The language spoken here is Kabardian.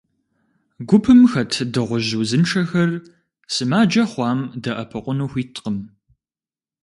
Гупым хэт дыгъужь узыншэхэр сымаджэ хъуам дэӏэпыкъуну хуиткъым.